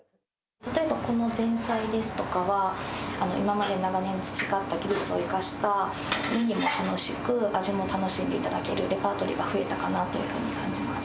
例えばこの前菜ですとかは、今まで、長年培ってきた技術を生かした目にも楽しく、味を楽しんでいただけるレパートリーが増えたかなと感じております。